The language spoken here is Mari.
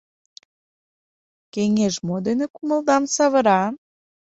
— Кеҥеж мо дене кумылдам савыра?